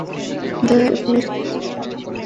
দয়া এবং বিশ্বাসের জন্য, আমরা আপনার কাছে কৃতজ্ঞ।